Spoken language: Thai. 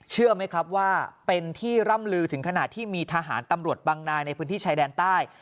เชื่อไหมครับว่าเป็นที่ร่ำลือถึงขนาดที่มีทหารตำรวจบางนายในพื้นที่ชายแดนใต้